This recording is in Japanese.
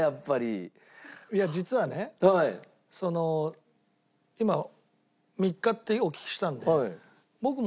いや実はねその今３日ってお聞きしたんで。